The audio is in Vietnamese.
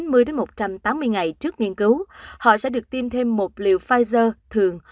thường ít nhất chín mươi một trăm tám mươi ngày trước nghiên cứu họ sẽ được tiêm thêm một liều pfizer thường